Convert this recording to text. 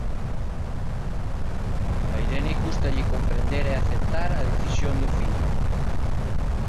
A Irene cústalle comprender e aceptar a decisión do fillo.